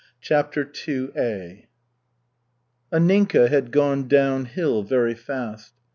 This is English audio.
CHAPTER II Anninka had gone downhill very fast.